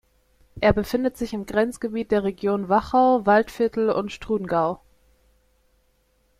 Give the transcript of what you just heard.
Er befindet sich im Grenzgebiet der Regionen Wachau, Waldviertel und Strudengau.